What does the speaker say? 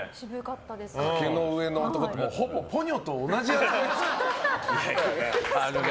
崖の上の男ってほぼポニョと同じ扱いしてる。